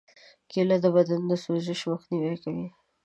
کېله د بدن د سوزش مخنیوی کوي.